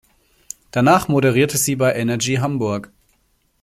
Danach moderierte sie bei Energy Hamburg.